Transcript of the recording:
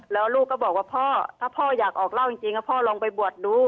แล้วลูกก็บอกว่าพ่อถ้าพ่ออยากออกเล่าจริงก็พ่อลองไปบวชดู